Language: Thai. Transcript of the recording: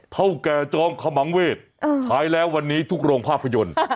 เท่าแก่จอมขมังเวศท้ายแล้ววันนี้ทุกโรงภาพยนตร์